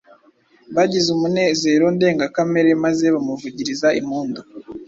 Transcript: Bagize umunezero ndengakamere maze bamuvugiriza impundu